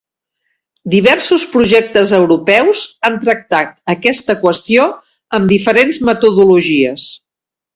Diversos projectes europeus han tractat aquesta qüestió amb diferents metodologies.